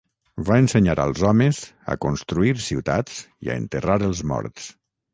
Va ensenyar als homes a construir ciutats i a enterrar els morts.